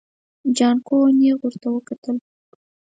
جانکو نيغ ورته وکتل.